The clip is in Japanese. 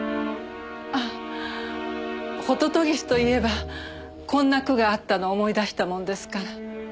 あっホトトギスと言えばこんな句があったのを思い出したものですから。